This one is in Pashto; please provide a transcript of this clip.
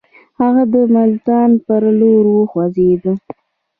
هغه د ملتان پر لور وخوځېدی.